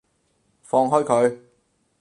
放開佢！